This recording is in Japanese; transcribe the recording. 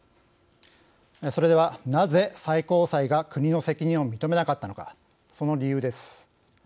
それでは、なぜ最高裁が国の責任を認めなかったのかその理由です。